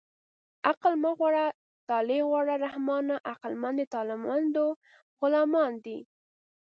عقل مه غواړه طالع غواړه رحمانه عقلمند د طالعمندو غلامان دي